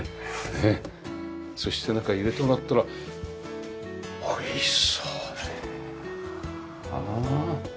そして中入れてもらったらおいしそうな。